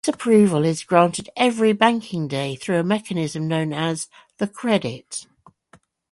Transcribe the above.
This approval is granted every banking day through a mechanism known as 'the credit'.